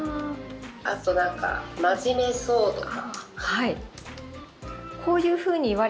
あと、なんか真面目そうとか。